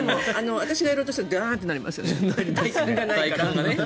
私がやろうとしたらだらーんとなりますよ。